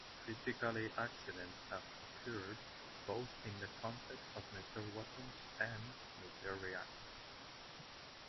Criticality accidents have occurred both in the context of nuclear weapons and nuclear reactors.